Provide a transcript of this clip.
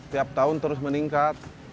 tiap tahun terus meningkat